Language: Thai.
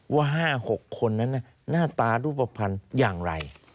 ว่า๕๖คนนั้นหน้าตารูปภัณฑ์อย่างไร